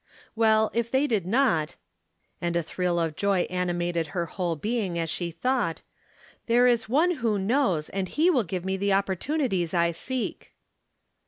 Well, if they did not " (and a thrUl of joy animated her whole being as she thought), " There is One who knows, and he will give me the opportuni ties I seek."